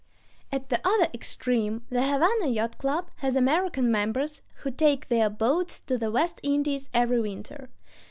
At the other extreme the Havana Yacht Club has American members who take their boats to the West Indies every winter.